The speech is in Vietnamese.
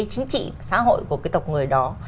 chính trị xã hội của cái tộc người đó